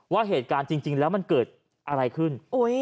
ว่าเหตุการณ์จริงแล้วมันเกิดอะไรขึ้น